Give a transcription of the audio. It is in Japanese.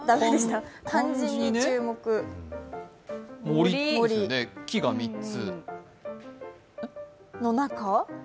森ですね、木が３つ。